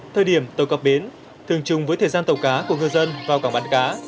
thời điểm tàu cập biến thường chung với thời gian tàu cá của ngư dân vào cảng bán cá